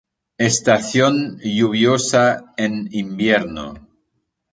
Estación lluviosa en invierno.